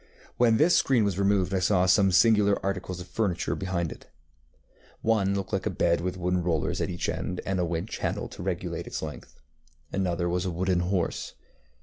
When this screen was removed I saw some singular articles of furniture behind it. One looked like a bed with wooden rollers at each end, and a winch handle to regulate its length. Another was a wooden horse.